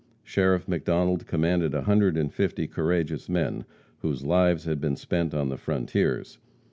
Sheriff McDonald commanded a hundred and fifty courageous men, whose lives had been spent on the frontiers.